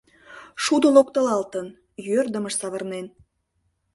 Шудо локтылалтын, йӧрдымыш савырнен.